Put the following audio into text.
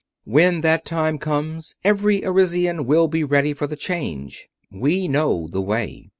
When that time comes, every Arisian will be ready for the change. We know the way.